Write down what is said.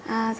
dạ vâng ạ